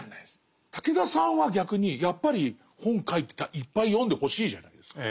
武田さんは逆にやっぱり本書いてたらいっぱい読んでほしいじゃないですか。